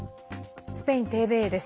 スペインＴＶＥです。